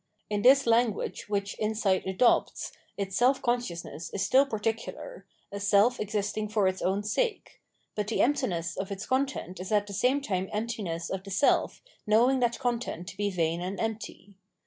In this language which insight adopts, its self consciousness is stiU par ticular, a self existing for its own sake ; but the empti ness of its content is at the same time emptiness of the self knowing that content to be vain and empty.